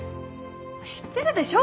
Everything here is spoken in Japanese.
知ってるでしょ？